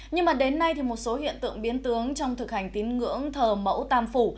nhưng mà đến nay thì một số hiện tượng biến tướng trong thực hành tín ngưỡng thờ mẫu tam phủ